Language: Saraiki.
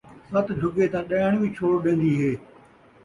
ست جھڳے تاں ݙیݨ وی چھوڑ ݙین٘دی ہے